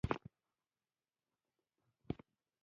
• د واورې موسم خاص تفریحي لوبې لري.